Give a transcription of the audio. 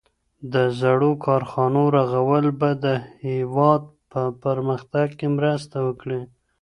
د زړو کارخانو رغول به د هیواد په پرمختګ کي مرسته وکړي.